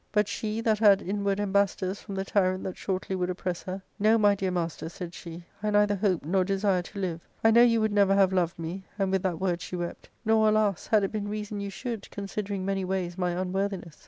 "But she, that had inward ambassadors. from the tyrant that shortly would oppress her, * No, my dear master,' said she, * I neither hope nor desire to live. I know you would never have loved me *— and with that word she wept —* nor, alas ! had it been reason you should, considering many ways my unworthiness.